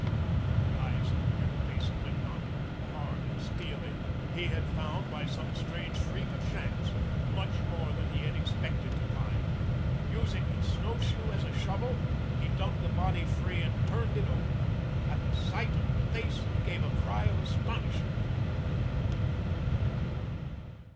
The eyes in the grim face of Macdonald grew hard and steely. He had found, by some strange freak of chance, much more than he had expected, to find. Using his snowshoe as a shovel, he dug the body free and turned it over. At sight of the face he gave a cry of astonishment.